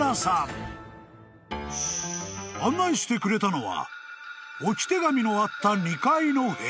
［案内してくれたのは］